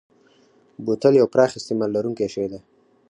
بوتل یو پراخ استعمال لرونکی شی دی.